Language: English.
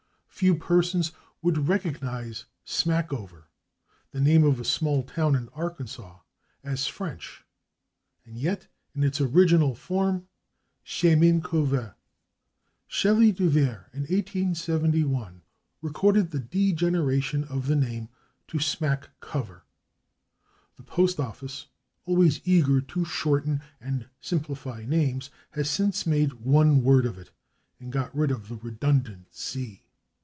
Few persons would recognize /Smackover/, the name of a small town in Arkansas, as French, and yet in its original form it was /Chemin Couvert/. Schele de Vere, in 1871, recorded the degeneration of the name to /Smack Cover/; the Postoffice, always eager to shorten and simplify names, has since made one word of it and got rid of the redundant /c